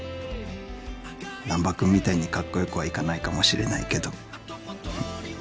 難破君みたいにカッコ良くはいかないかもしれないけど。